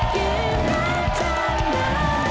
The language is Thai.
เกมรับจำนำ